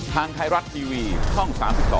ทางไทยรัฐทีวีช่อง๓๒